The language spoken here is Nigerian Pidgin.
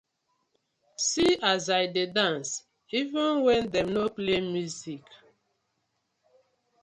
See as I dey dance even wen dem no play music.